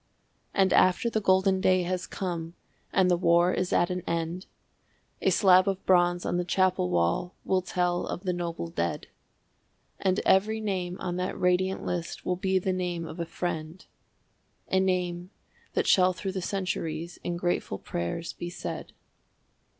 And after the golden day has come and the war is at an end, A slab of bronze on the chapel wall will tell of the noble dead. And every name on that radiant list will be the name of a friend, A name that shall through the centuries in grateful prayers be said.